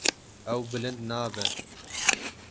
Ew bilind nabe.